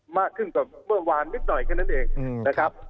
มากขึ้นกว่าเมื่อวานนิดหน่อยแค่นั้นเองนะครับ